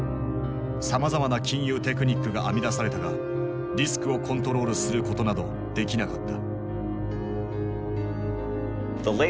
さまざまな金融テクニックが編み出されたがリスクをコントロールすることなどできなかった。